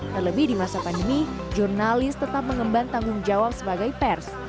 terlebih di masa pandemi jurnalis tetap mengemban tanggung jawab sebagai pers